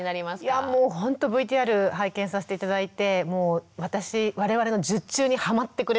いやもうほんとＶＴＲ拝見させて頂いてもう私我々の術中にはまってくれたという。